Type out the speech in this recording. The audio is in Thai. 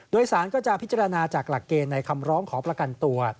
โดยสารก็จะพิจารณาจากหลักเกณฑ์ในคำร้องขอประกันตัว